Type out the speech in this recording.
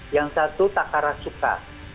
yang satu takarashuka